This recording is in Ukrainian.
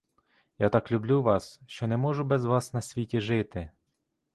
Я так люблю вас, що не можу без вас на світі жити.